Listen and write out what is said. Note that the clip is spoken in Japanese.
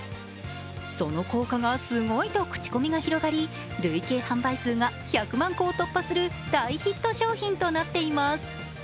その効果がすごいと口コミが広がり累計販売数が１００万個を突破する大ヒット商品となっています。